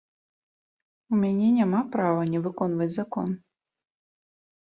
У мяне няма права не выконваць закон.